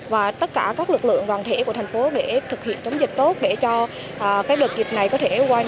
và tất cả các lực lượng gần thể của thành phố để thực hiện chống dịch tốt để cho đợt dịch này có thể qua nhanh